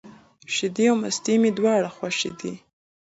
شیدې او مستې مي دواړي خوښي دي.